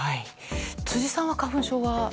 辻さんは花粉症は？